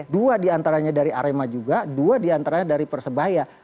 dua diantaranya dari arema juga dua diantaranya dari persebaya